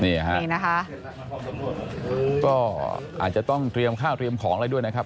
นี่ค่ะนี่นะคะก็อาจจะต้องเตรียมข้าวเตรียมของอะไรด้วยนะครับ